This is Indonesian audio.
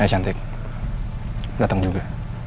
hai cantik dateng juga